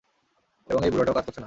এবং এই বুড়োটাও কাজ করছে না।